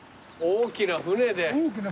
大きな船でしょ。